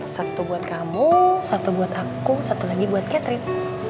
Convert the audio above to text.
satu buat kamu satu buat aku satu lagi buat catering